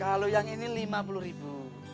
kalau yang ini lima puluh ribu